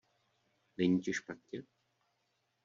Není ti špatně?